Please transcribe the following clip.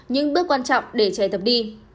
những bước quan trọng để trẻ tập đi